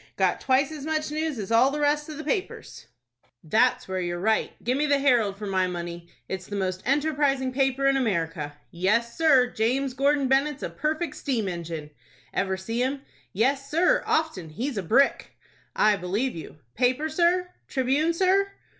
Got twice as much news as all the rest of the papers." "That's where you're right. Give me the 'Herald' for my money. It's the most enterprising paper in America." "Yes, sir. James Gordon Bennett's a perfect steam engine!" "Ever see him?" "Yes, sir, often. He's a brick!" "I believe you." "Paper, sir? 'Tribune,' sir?"